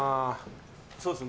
そうですね